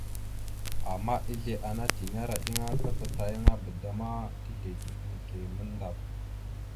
Ama ezle ana tinera iɗəŋa ta tatayaŋaba da ma tizlegeɗ nike mandap.